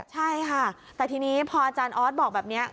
ใช่ค่ะแต่ทีนี้พออาจารย์ออสบอกแบบนี้